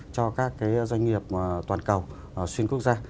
cho các cái doanh nghiệp toàn cầu xuyên quốc gia